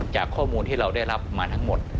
จากข้อมูลที่เราได้รับมาทั้งหมด